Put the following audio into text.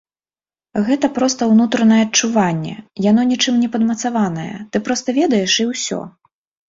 Гэта проста ўнутранае адчуванне, яно нічым не падмацаванае, ты проста ведаеш і ўсё.